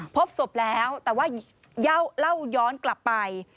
พบศพแล้วแต่ว่าเล่าย้อนกลับไป